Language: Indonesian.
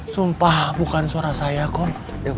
sumpah bukan suara saya kok